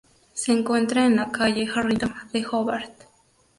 Se encuentra en la calle Harrington, de Hobart.